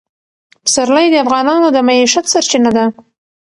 پسرلی د افغانانو د معیشت سرچینه ده.